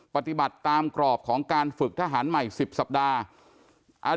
ปฏิบัติตามกรอบของการฝึกทหารใหม่๑๐สัปดาห์